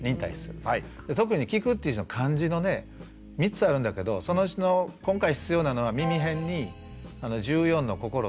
特に「きく」っていう字の漢字のね３つあるんだけどそのうちの今回必要なのは耳偏に十四の心って書くんですけど。